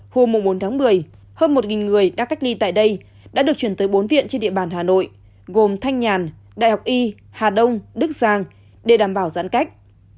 hôm bốn tháng một mươi hơn một người đang cách ly tại đây đã được chuyển tới bốn viện trên địa bàn hà nội gồm thanh nhàn đại học y hà đông đức giang để đảm bảo giãn cách